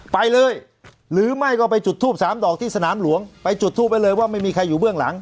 ไปเลยหรือไม่ก็ไปจุดทูปสามดอกที่สนามหลวงไปจุดทูปไว้เลยว่าไม่มีใครอยู่เบื้องหลัง